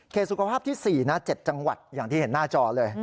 สุขภาพที่๔นะ๗จังหวัดอย่างที่เห็นหน้าจอเลย